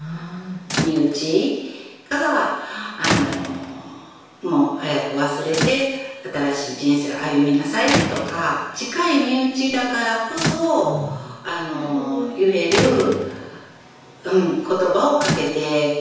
身内があのもう早く忘れて新しい人生歩みなさいとか近い身内だからこそ言える言葉をかけてくれたんですよね。